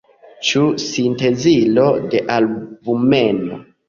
Ĉu sintezilo de albumeno?